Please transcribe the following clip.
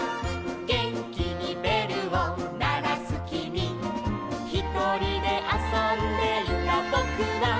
「げんきにべるをならすきみ」「ひとりであそんでいたぼくは」